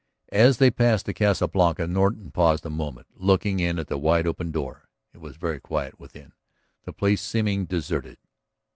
As they passed the Casa Blanca Norton paused a moment, looking in at the wide open door; it was very quiet within, the place seeming deserted.